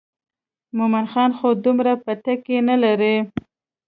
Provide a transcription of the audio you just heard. مومن خان خو دومره بتکۍ نه لري.